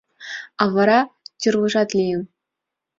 А вара тӱрлыжат лийын.